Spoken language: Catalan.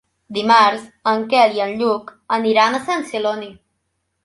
Dimarts en Quel i en Lluc aniran a Sant Celoni.